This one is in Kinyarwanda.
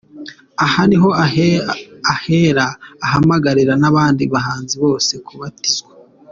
Aha niho ahera ahamagarira n’abandi bahanzi bose kubatizwa.